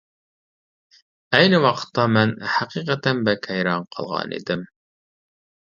ئەينى ۋاقىتتا، مەن ھەقىقەتەن بەك ھەيران قالغان ئىدىم.